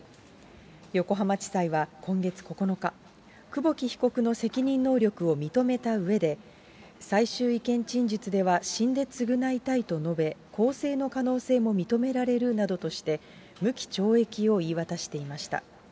横浜地裁は今月９日、久保木被告の責任能力を認めたうえで、最終意見陳述では死んで償いたいと述べ、更生の可能性も認められるなどとして、無期懲役を言い渡していました。